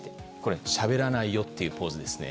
しゃべらないよというポーズですね。